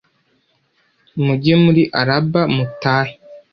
mujye muri Araba mutahe